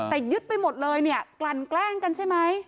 แต่ยึดไปหมดเลยเนี่ยกลั่นแกล้งกันใช่ไหม